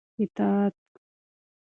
اطاعت